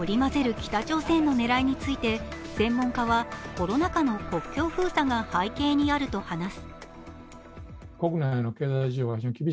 北朝鮮の狙いについて専門家はコロナ禍の国境封鎖が背景にあると話す。